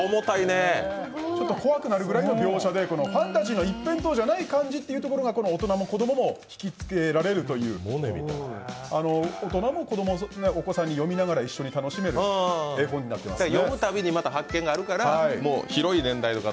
ちょっと怖くなるぐらいの描写でファンタジーの一辺倒じゃない感じというところが大人も子供も引きつけられるという、大人もお子さんに読みながら一緒に楽しめる絵本になってますね。